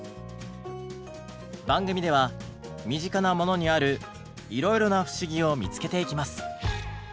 番組では身近なものにあるいろいろな不思議を見つけていきます。